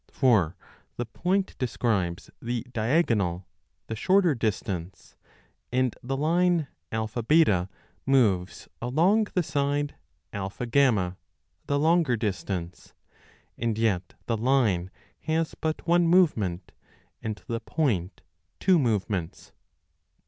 For the point describes the diagonal, the shorter distance, and the line [AB] moves along the side [AT], the longer distance; and yet the line has but one movement, and the point two movements.